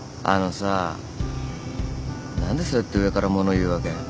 あのさ何でそうやって上から物言うわけ？